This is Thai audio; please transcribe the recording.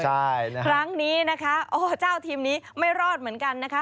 ใช่ครั้งนี้อเจ้าทีมนี้ไม่รอดเหมือนกัน